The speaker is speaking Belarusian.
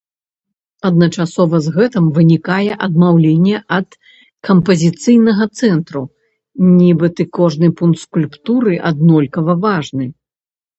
Адначасова з гэтым вынікае адмаўленне ад кампазіцыйнага цэнтру, нібыта кожны пункт скульптуры аднолькава важны.